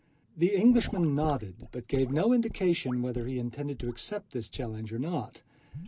The Englishman nodded, but gave no indication whether he intended to accept this challenge or not.